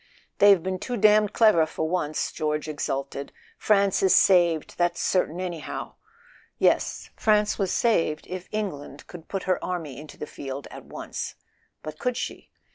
"They've been too damned clever for once !" George exulted. "France is saved—that's certain anyhow!" Yes; France was saved if England could put her army into the field at once. But could she